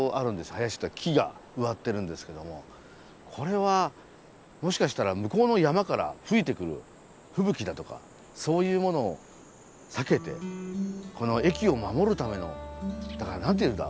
林っていうか木が植わってるんですけどもこれはもしかしたら向こうの山から吹いてくる吹雪だとかそういうものを避けてこの駅を守るためのだから何て言うんだ？